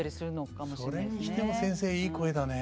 それにしても先生いい声だね。